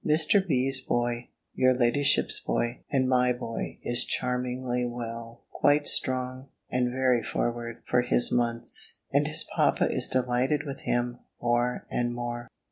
Mr. B.'s boy, your ladyship's boy, and my boy, is charmingly well; quite strong, and very forward, for his months; and his papa is delighted with him more and more.